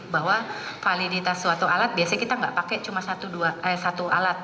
bahwa validitas suatu alat biasanya kita nggak pakai cuma satu alat